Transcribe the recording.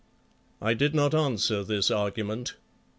I did not answer this argument.